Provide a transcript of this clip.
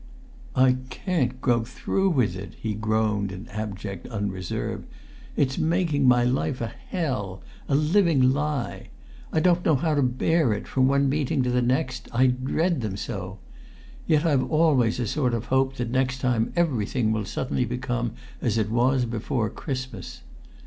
"I can't go through with it," he groaned in abject unreserve. "It's making my life a hell a living lie. I don't know how to bear it from one meeting to the next I dread them so! Yet I've always a sort of hope that next time everything will suddenly become as it was before Christmas.